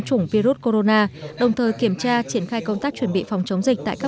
chủng virus corona đồng thời kiểm tra triển khai công tác chuẩn bị phòng chống dịch tại các